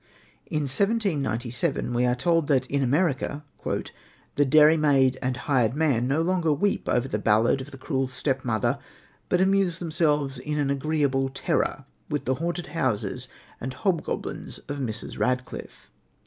In 1797 we are told that in America "the dairymaid and hired man no longer weep over the ballad of the cruel stepmother, but amuse themselves into an agreeable terror with the haunted houses and hobgoblins of Mrs. Radcliffe."